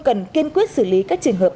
cần kiên quyết xử lý các trường hợp